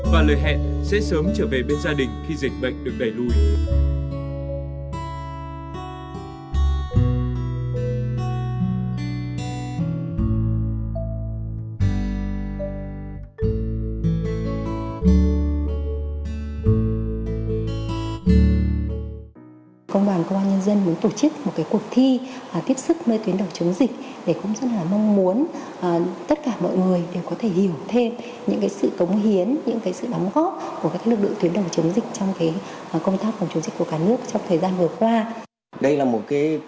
và lời hẹn sẽ sớm trở về bên gia đình khi dịch bệnh được đẩy lùi